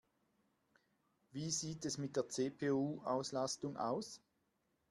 Wie sieht es mit der CPU-Auslastung aus?